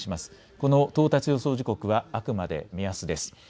この到達予想時刻はあくまで目安です。